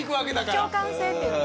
共感性っていうのね。